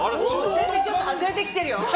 ちょっと外れてきてるよ。